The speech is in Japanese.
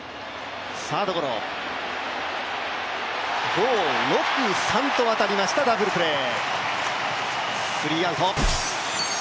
５−６−３と渡りましたダブルプレー。